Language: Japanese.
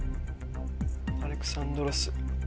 アレクサンドロス。